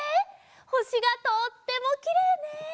ほしがとってもきれいね。